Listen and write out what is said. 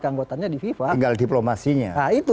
keanggotaannya di fifa tinggal diplomasinya nah itu